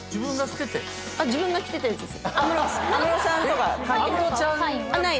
自分が着てたやつです。